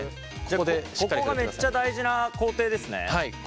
ここがめっちゃ大事な工程ですね？